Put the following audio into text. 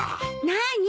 なあに？